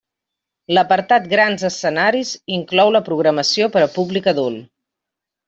L'apartat Grans Escenaris inclou la programació per a públic adult.